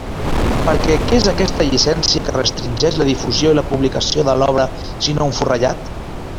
Perquè ¿què és aquesta llicència que restringeix la difusió i la publicació de l'obra sinó un forrellat?